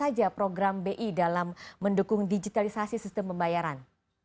apa saja program bi dalam mendukung digitalisasi sistem pembayaran